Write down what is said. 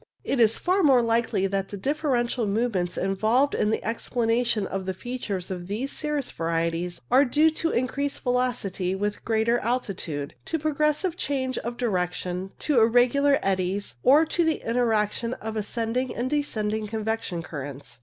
It is far more likely that the differential movements involved in the explanation of the features of these cirrus varieties are due to increased velocity with greater altitude, to progressive change of direction, to irregular eddies, or to the interaction of ascend ing and descending convection currents.